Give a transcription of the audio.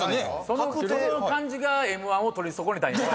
その感じがＭ−１を取り損ねたんやろ。